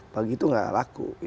bagi itu nggak laku